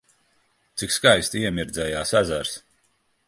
Cik skaisti iemirdzējās ezers!